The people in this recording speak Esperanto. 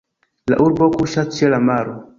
La urbo kuŝas ĉe la maro.